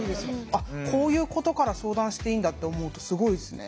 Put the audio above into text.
あっこういうことから相談していいんだって思うとすごいですね。